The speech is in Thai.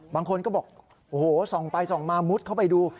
บางคนก็บอกโอ้โหส่องไปส่องมามุดเข้าไปดู